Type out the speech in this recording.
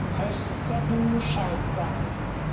هەشت سەد و شازدە